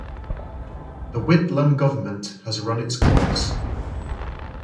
The Whitlam Government has run its course.